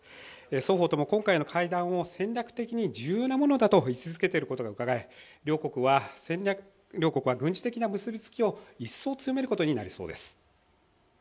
双方とも今回の会談を戦略的に重要なものだと位置づけていることがうかがえ、両国は軍事的な結びつきを一層強めることになりそうです。